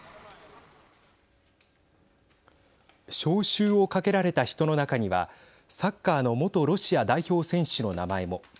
招集をかけられた人の中にはサッカーの元ロシア代表選手の名前も。